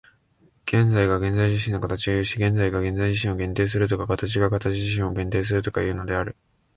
現在が現在自身の形を有し、現在が現在自身を限定するとか、形が形自身を限定するとかいうのである。